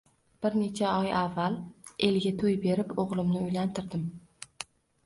Bir necha oy avval elga to`y berib, o`g`limni uylantirdim